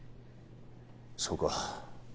そうか